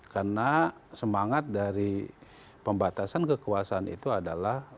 karena semangat dari pembatasan kekuasaan itu adalah